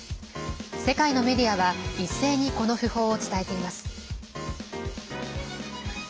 世界のメディアは一斉にこの訃報を伝えています。